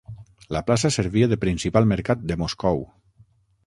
La plaça servia de principal mercat de Moscou.